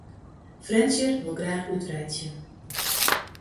Frjentsjer wol graach útwreidzje.